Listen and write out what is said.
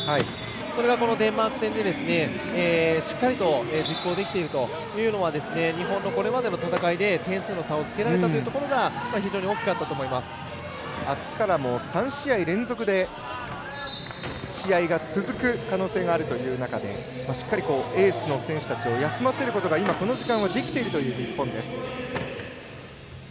それが、このデンマーク戦でしっかりと実行できているというのは日本のこれまでの戦いで点数の差をつけられたことがあすからも３試合連続で試合が続く可能性があるという中でしっかり、エースの選手たちを休ませることが今、この時間はできているという日本です。